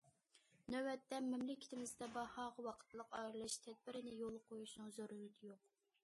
نۆۋەتتە مەملىكىتىمىزدە باھاغا ۋاقىتلىق ئارىلىشىش تەدبىرىنى يولغا قويۇشنىڭ زۆرۈرىيىتى يوق.